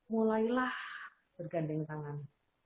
mulailah bergandeng tangan